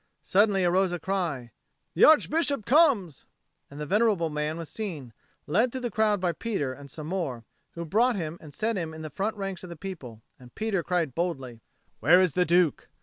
Suddenly arose a cry, "The Archbishop comes!" and the venerable man was seen, led through the crowd by Peter and some more, who brought him and set him in the front ranks of the people; and Peter cried boldly, "Where is the Duke?"